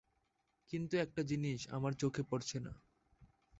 কিন্তু একটা জিনিস আমার চোখে পড়ছে না।